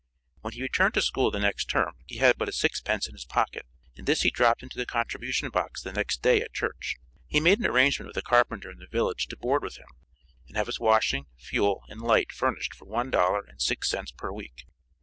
When he returned to school the next term he had but a six pence in his pocket, and this he dropped into the contribution box the next day at church. He made an arrangement with a carpenter in the village to board with him, and have his washing, fuel and light furnished for one dollar and six cents per week.